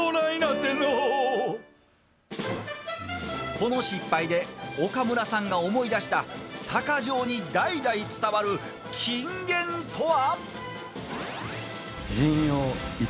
この失敗で岡村さんが思い出したたか匠に代々伝わる金言とは。